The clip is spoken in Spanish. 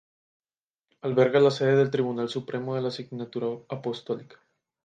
Alberga la sede del Tribunal Supremo de la Signatura Apostólica.